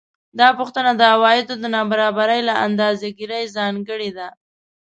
دا پوښتنه د عوایدو د نابرابرۍ له اندازه ګیرۍ ځانګړې ده